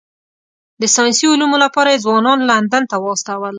د ساینسي علومو لپاره یې ځوانان لندن ته واستول.